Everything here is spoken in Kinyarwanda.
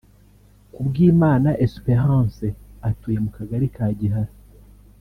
Kubwimana Esperance atuye mu Kagari ka Gihara